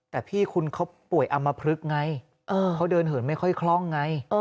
แต่พี่คุณเขาป่วยอำมพลึกไงเขาเดินเหินไม่ค่อยคล่องไง